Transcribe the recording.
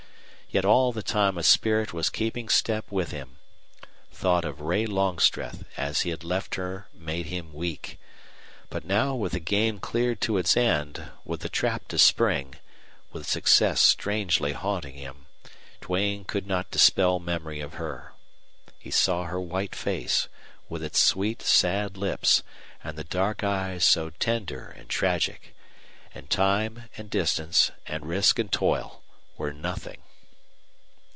Yet all the time a spirit was keeping step with him. Thought of Ray Longstreth as he had left her made him weak. But now, with the game clear to its end, with the trap to spring, with success strangely haunting him, Duane could not dispel memory of her. He saw her white face, with its sweet sad lips and the dark eyes so tender and tragic. And time and distance and risk and toil were nothing.